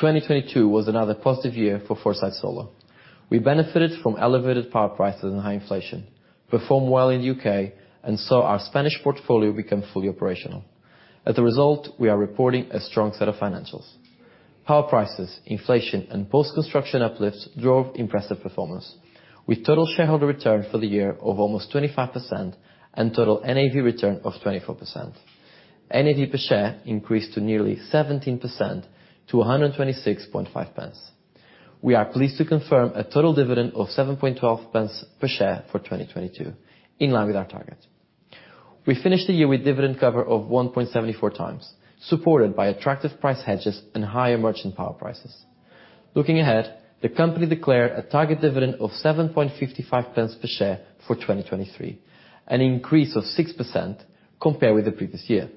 2022 was another positive year for Foresight Solar. We benefited from elevated power prices and high inflation, performed well in the U.K., and saw our Spanish portfolio become fully operational. As a result, we are reporting a strong set of financials. Power prices, inflation, and post-construction uplifts drove impressive performance, with Total Shareholder Return for the year of almost 25%, and total NAV return of 24%. NAV per share increased to nearly 17% to 1.265. We are pleased to confirm a total dividend of 0.0712 per share for 2022, in line with our target. We finished the year with dividend cover of 1.74x, supported by attractive price hedges and higher merchant power prices. Looking ahead, the company declared a target dividend of 0.0755 per share for 2023, an increase of 6% compared with the previous year.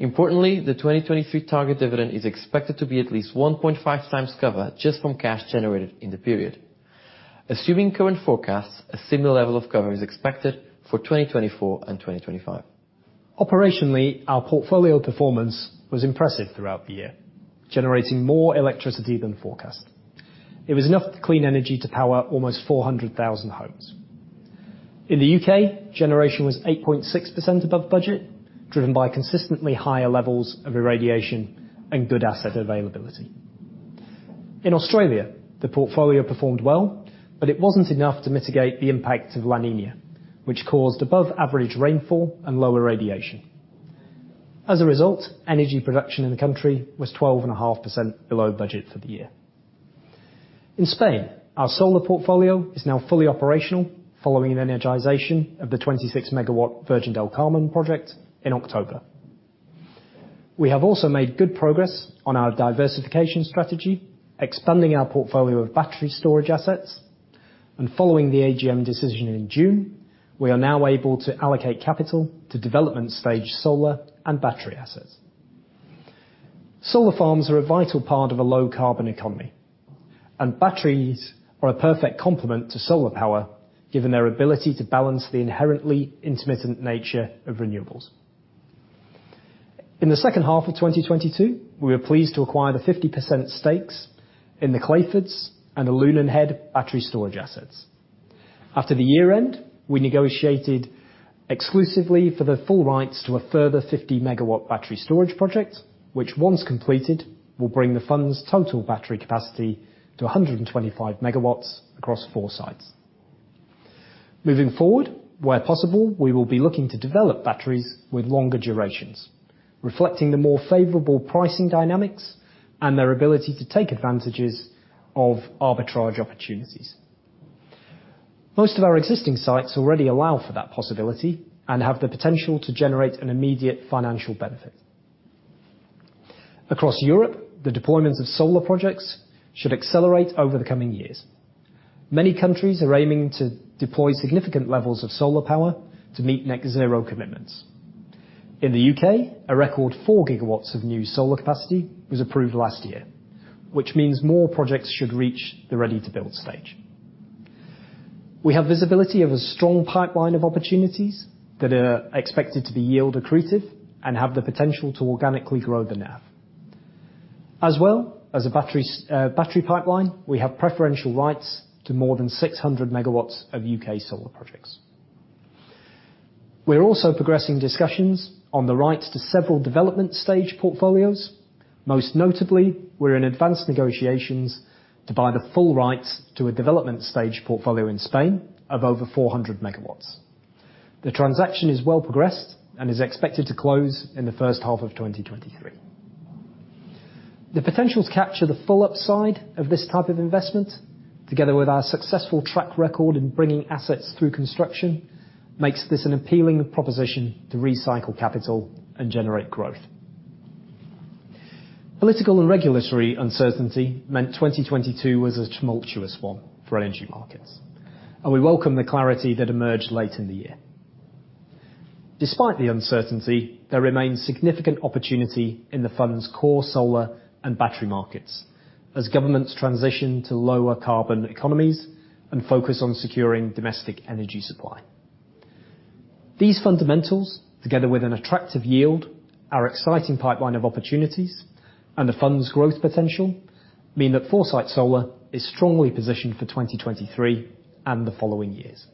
Importantly, the 2023 target dividend is expected to be at least 1.5x cover just from cash generated in the period. Assuming current forecasts, a similar level of cover is expected for 2024 and 2025. Operationally, our portfolio performance was impressive throughout the year, generating more electricity than forecast. It was enough clean energy to power almost 400,000 homes. In the U.K., generation was 8.6% above budget, driven by consistently higher levels of irradiation and good asset availability. In Australia, the portfolio performed well, but it wasn't enough to mitigate the impact of La Niña, which caused above-average rainfall and lower irradiation. As a result, energy production in the country was 12.5% below budget for the year. In Spain, our solar portfolio is now fully operational following the energization of the 26 Megawatt Virgen del Carmen project in October. We have also made good progress on our diversification strategy, expanding our portfolio of battery storage assets. Following the AGM decision in June, we are now able to allocate capital to development stage solar and battery assets. Solar farms are a vital part of a low carbon economy, and batteries are a perfect complement to solar power, given their ability to balance the inherently intermittent nature of renewables. In the second half of 2022, we were pleased to acquire the 50% stakes in the Clayfords and the Lunanhead battery storage assets. After the year end, we negotiated exclusively for the full rights to a further 50 Megawatt battery storage project, which once completed, will bring the fund's total battery capacity to 125 Megawatts across four sites. Moving forward, where possible, we will be looking to develop batteries with longer durations, reflecting the more favorable pricing dynamics and their ability to take advantages of arbitrage opportunities. Most of our existing sites already allow for that possibility and have the potential to generate an immediate financial benefit. Across Europe, the deployment of solar projects should accelerate over the coming years. Many countries are aiming to deploy significant levels of solar power to meet net zero commitments. In the U.K., a record 4 Gigawatts of new solar capacity was approved last year, which means more projects should reach the ready-to-build stage. We have visibility of a strong pipeline of opportunities that are expected to be yield accretive and have the potential to organically grow the NAV. As well as a batteries, battery pipeline, we have preferential rights to more than 600 megawatts of U.K. solar projects. We're also progressing discussions on the rights to several development stage portfolios. Most notably, we're in advanced negotiations to buy the full rights to a development stage portfolio in Spain of over 400 Megawatts. The transaction is well progressed and is expected to close in the first half of 2023. The potential to capture the full upside of this type of investment, together with our successful track record in bringing assets through construction, makes this an appealing proposition to recycle capital and generate growth. Political and regulatory uncertainty meant 2022 was a tumultuous one for energy markets. We welcome the clarity that emerged late in the year. Despite the uncertainty, there remains significant opportunity in the fund's core solar and battery markets as governments transition to lower carbon economies and focus on securing domestic energy supply. These fundamentals, together with an attractive yield, our exciting pipeline of opportunities, and the fund's growth potential, mean that Foresight Solar is strongly positioned for 2023 and the following years.